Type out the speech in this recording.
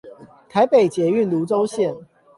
臺北捷運蘆洲線